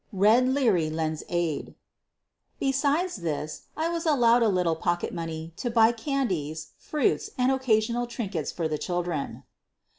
"BED" liEABY LENDS AID Besides this I was allowed a little pocket money to buy candies, fruit, and occasional trinkets for the children.